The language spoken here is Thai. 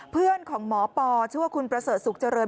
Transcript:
เพื่อนของหมอปอชื่อว่าคุณประเสริฐสุขเจริญ